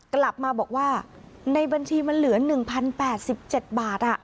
กลับมาบอกว่าในบัญชีมันเหลือ๑๐๘๗บาท